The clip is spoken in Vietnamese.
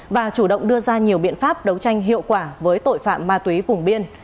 và chủ động đưa ra nhiều biện pháp đấu tranh hiệu quả với tội phạm ma túy vùng biên